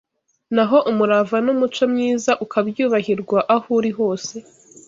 N’aho umurava n’umuco myiza Ukabyubahirwa aho uri hose